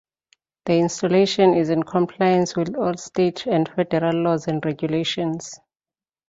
The installation is in compliance with all state and federal laws and regulations.